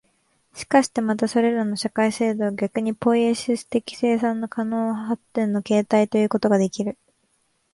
しかしてまたそれらの社会制度は逆にポイエシス的生産の可能発展の形態ということができる、